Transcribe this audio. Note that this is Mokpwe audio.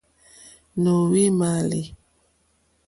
Nǒhwì mààlì.